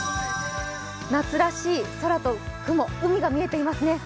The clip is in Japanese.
夏らしい空と雲海が見えていますね。